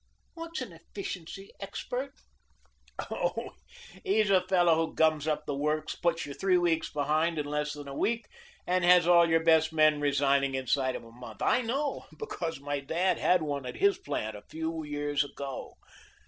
What's an efficiency expert?" "Oh, he's a fellow who gums up the works, puts you three weeks behind in less than a week and has all your best men resigning inside of a month. I know, because my dad had one at his plant a few years ago."